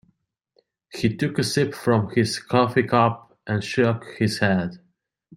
He took a sip from his coffee cup and shook his head.